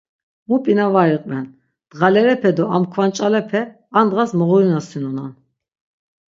Mu p̌ina var iqven, dğalerepe do am kvanç̌alape ar dğas moğurinasunonan.